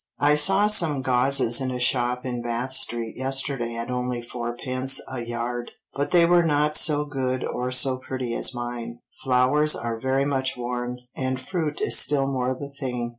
I saw some gauzes in a shop in Bath Street yesterday at only fourpence a yard, but they were not so good or so pretty as mine. Flowers are very much worn, and fruit is still more the thing.